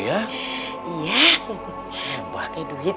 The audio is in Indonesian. itu teh makanannya saya yang buat